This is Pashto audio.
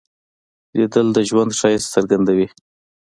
لیدل د ژوند ښایست څرګندوي